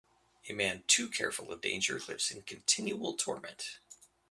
A man too careful of danger lives in continual torment.